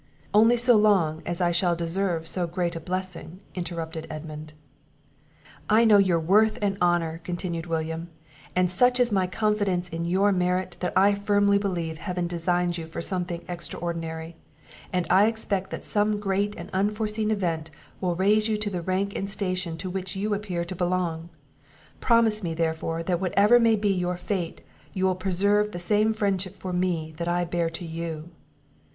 "Only so long as I shall deserve so great a blessing," interrupted Edmund. "I know your worth and honour," continued William; "and such is my confidence in your merit, that I firmly believe Heaven designs you for something extraordinary; and I expect that some great and unforeseen event will raise you to the rank and station to which you appear to belong: Promise me, therefore, that whatever may be your fate you will preserve the same friendship for me that I bear to you."